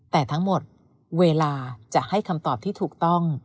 แต่ทั้งหมดเวลาจะให้คำตอบที่ถูกต้อง